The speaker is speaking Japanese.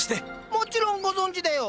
もちろんご存じだよ！